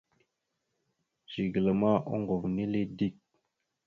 Zigəla ma oŋgov nele dik.